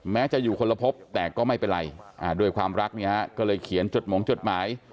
แม้จะอยู่คนละพบแต่ก็ไม่เป็นไรด้วยความรักเนี่ยฮะก็เลยเขียนจดหมงจดหมาย